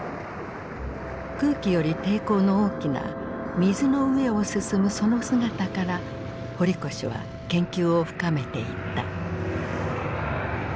空気より抵抗の大きな水の上を進むその姿から堀越は研究を深めていった。